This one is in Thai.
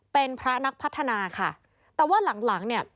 เป็นพระนักพัฒนาค่ะแต่ว่าหลังหลังเนี่ย